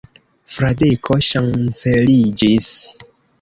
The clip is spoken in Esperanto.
Fradeko ŝanceliĝis.